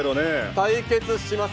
対決します。